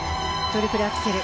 トリプルアクセル